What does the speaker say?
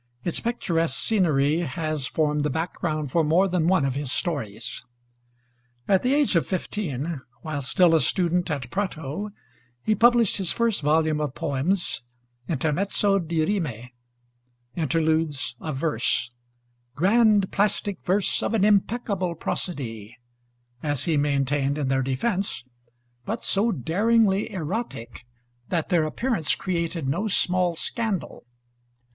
Its picturesque scenery has formed the background for more than one of his stories. At the age of fifteen, while still a student at Prato, he published his first volume of poems, 'Intermezzo di Rime' (Interludes of Verse): "grand, plastic verse, of an impeccable prosody," as he maintained in their defense, but so daringly erotic that their appearance created no small scandal.